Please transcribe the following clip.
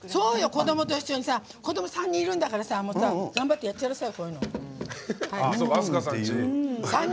子どもと一緒にさ子ども３人いるんだからさ頑張って、やっちゃいなさい。